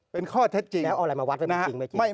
เป็นข้อเท็จจริงนะฮะแล้วเอาอะไรมาวัดเป็นจริง